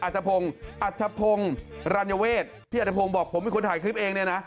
ทัพพงรันยเวทพี่ทัพพงบอกผมไม่ควรถ่ายคลิปเองเนี่ยนะ